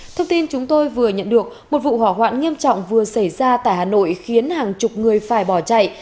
thông tin chúng tôi vừa nhận được một vụ hỏa hoạn nghiêm trọng vừa xảy ra tại hà nội khiến hàng chục người phải bỏ chạy